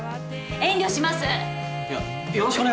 遠慮します。